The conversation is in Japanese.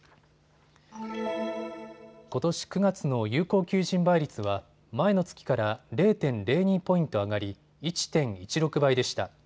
ことし９月の有効求人倍率は前の月から０．０２ポイント上がり１．１６倍でした。